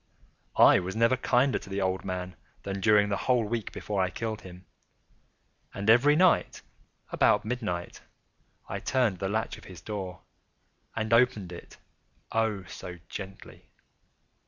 I was never kinder to the old man than during the whole week before I killed him. And every night, about midnight, I turned the latch of his door and opened it—oh, so gently!